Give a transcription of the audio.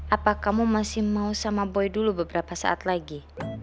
apa kamu masih mau sama boy dulu beberapa saat lagi